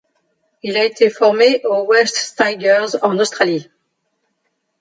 Il a été formé aux Wests Tigers en Australie.